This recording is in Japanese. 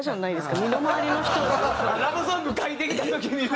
ラブソング書いてきた時にね。